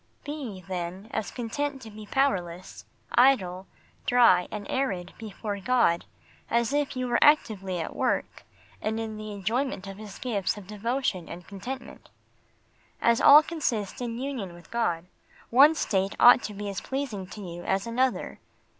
Be, then, as content to be powerless, idle, dry, and arid before God, as if you were actively at work, and in the enjoyment of His gifts of devotion and contentment. As all consists in union with God one state ought to be as pleasing to you as another.